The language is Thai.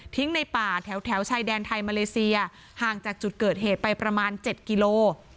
ในป่าแถวชายแดนไทยมาเลเซียห่างจากจุดเกิดเหตุไปประมาณ๗กิโล